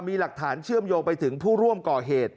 มีหลักฐานเชื่อมโยงไปถึงผู้ร่วมก่อเหตุ